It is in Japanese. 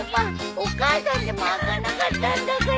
お母さんでも開かなかったんだから。